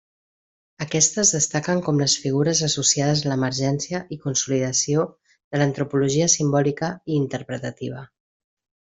Aquestes destaquen com les figures associades a l'emergència i consolidació de l'antropologia simbòlica i interpretativa.